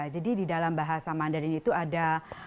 jadi di dalam bahasa mandarin itu ada